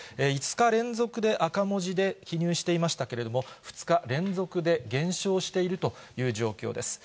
５日連続で赤文字で記入していましたけれども、２日連続で減少しているという状況です。